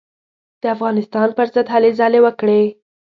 د افغانستان پر ضد هلې ځلې وکړې.